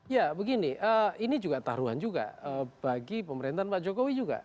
ya begini ini juga taruhan juga bagi pemerintahan pak jokowi juga